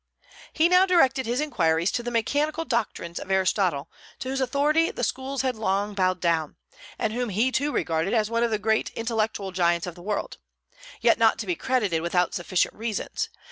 He now directed his inquiries to the mechanical doctrines of Aristotle, to whose authority the schools had long bowed down, and whom he too regarded as one of the great intellectual giants of the world, yet not to be credited without sufficient reasons.